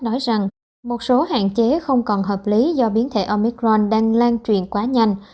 nói rằng một số hạn chế không còn hợp lý do biến thể omicron đang lan truyền quá nhanh